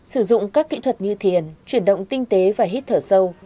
sử dụng các kỹ thuật như thiền chuyển động tinh tế và hít thở sâu